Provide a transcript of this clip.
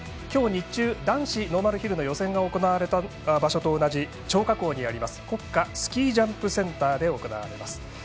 きょう日中男子ノーマルヒルの予選が行われた場所と同じ張家口にあります国家スキージャンプセンターで行われます。